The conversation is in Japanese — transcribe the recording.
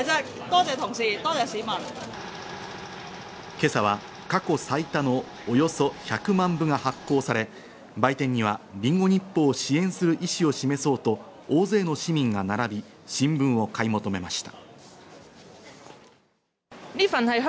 今朝は過去最多のおよそ１００万部が発行され、売店にはリンゴ日報を支援する意思を示そうと、大勢の市民が並び、新聞を買い求めました。